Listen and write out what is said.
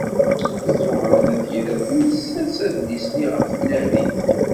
Ẓuhṛa n At Yiraten tessers adlis-nni ɣef tnarit.